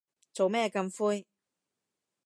做咩咁灰